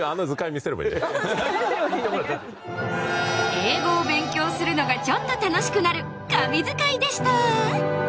英語を勉強するのがちょっと楽しくなる神図解でした